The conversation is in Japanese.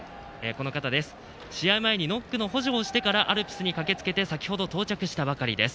試合前にノックの補助をしてからアルプスに駆けつけて先ほど到着したばかりです。